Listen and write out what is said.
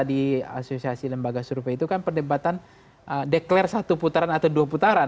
di asosiasi lembaga survei itu kan perdebatan deklarasi satu putaran atau dua putaran